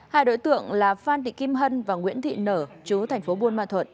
hai đối tượng là phan thị kim hân và nguyễn thị nở chú thành phố buôn ma thuận